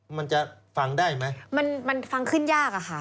มันจะฟังได้ไหมมันมันฟังขึ้นยากอะค่ะ